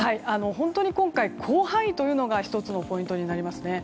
本当に今回広範囲というのが１つのポイントになりますね。